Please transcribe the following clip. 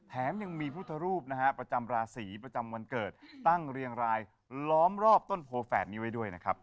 แถมยังมีพุทธรูปนะฮะประจำราศีประจำวันเกิดตั้งเรียงรายล้อมรอบต้นโพแฝดนี้ไว้ด้วยนะครับ